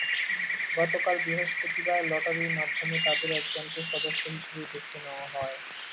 গতকাল বৃহস্পতিবার লটারির মাধ্যমে তাঁদের একজনকে সদস্য হিসেবে বেছে নেওয়া হয়।